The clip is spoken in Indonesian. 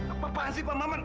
apaan sih pak maman